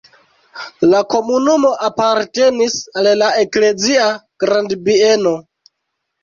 La komunumo apartenis al la eklezia grandbieno.